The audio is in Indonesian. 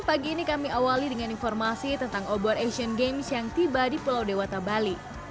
pagi ini kami awali dengan informasi tentang obor asian games yang tiba di pulau dewata bali